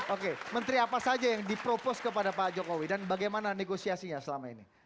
oke menteri apa saja yang dipropos kepada pak jokowi dan bagaimana negosiasinya selama ini